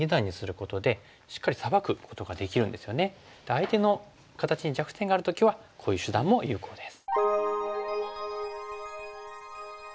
相手の形に弱点がある時はこういう手段も有効です。